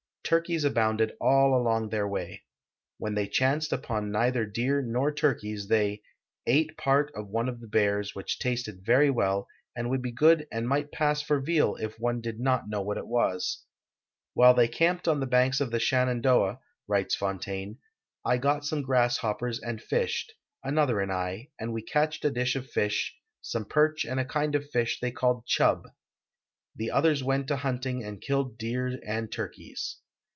'I'nrkeys abounded all along their way. ^^'hen they chanced upon neither deer nor turkeys the}' " ate part of one of the bears, which tasted very well and would be go«>d and might pass for veal if one did not know what it was." While they camped on the banks of SPOTTSWOOD'S EXPEDITION OF 1716 2riS the Shenandoah, writes Fontaine, " I got some grasshoppers and fished, another and 1, and we catched a dish of fish, some perch and a kind of fish the}' called chuh. The others went a hunt ing and killed deer and turkeys."